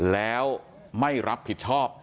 แล้วไม่รับผิดชอบ